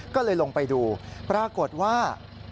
ก็เลยลงไปดูปรากฏว่า